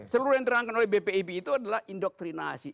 seluruh yang diterangkan oleh bpip itu adalah indoktrinasi